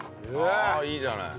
ああいいじゃない。